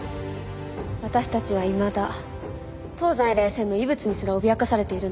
私たちはいまだ東西冷戦の遺物にすら脅かされているんです。